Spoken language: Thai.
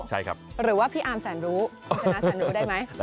หรือว่าพี่อามแสนรู้ประชานะแสนรู้ได้ไหม